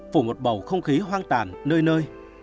phủ một bầu không khí hoang tàn nơi nơi